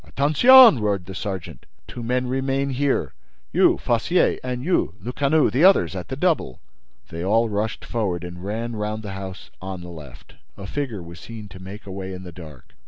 "Attention!" roared the sergeant. "Two men remain here: you, Fossier—and you, Lecanu—The others at the double!" They all rushed forward and ran round the house on the left. A figure was seen to make away in the dark.